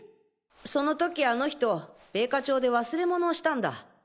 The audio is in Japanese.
その時あの人米花町で忘れ物をしたんだ。